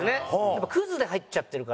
やっぱクズで入っちゃってるから。